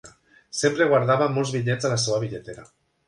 Sempre guardava molts bitllets a la seva bitlletera